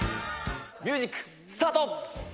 ミュージック、スタート。